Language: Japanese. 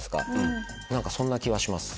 そんな気はします。